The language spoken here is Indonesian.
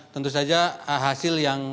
tentu saja hasil yang